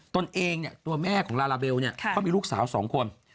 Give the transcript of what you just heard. ตัวเองตัวแม่ของลาราเบลก็มีลูกสาว๒คน